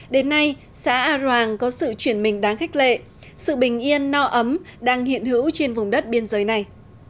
đến nay xã a roàng có sự chuyển mình đáng khích lệ sự bình yên no ấm đang hiện hữu trên vùng đất biên giới này